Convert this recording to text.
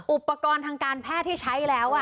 อุปกรณ์ทางการแพทย์ที่ใช้แล้ว